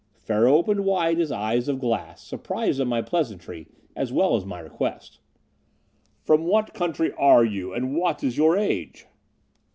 Pharaoh opened wide his eyes of glass, surprised at my pleasantry, as well as my request. "From what country are you, and what is your age?"